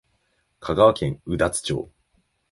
香川県宇多津町